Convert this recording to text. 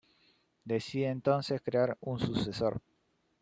Decide entonces crear un sucesor.